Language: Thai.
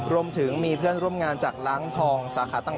รวมถึงมีเพื่อนร่วมงานจากล้างทองสาขาต่าง